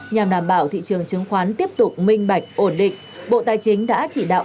nhằm đảm bảo thị trường chứng khoán tiếp tục minh bạch ổn định bộ tài chính đã chỉ đạo